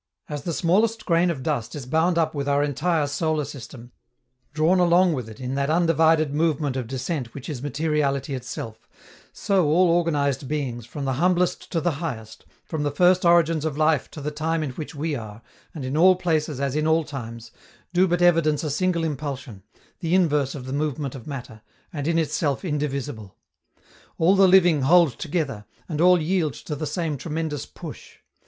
As the smallest grain of dust is bound up with our entire solar system, drawn along with it in that undivided movement of descent which is materiality itself, so all organized beings, from the humblest to the highest, from the first origins of life to the time in which we are, and in all places as in all times, do but evidence a single impulsion, the inverse of the movement of matter, and in itself indivisible. All the living hold together, and all yield to the same tremendous push.